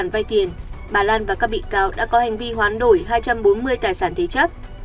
vay tiền bà lan và các bị cáo đã có hành vi hoán đổi hai trăm bốn mươi tài sản thế chấp